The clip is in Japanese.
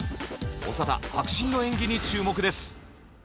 長田迫真の演技に注目です。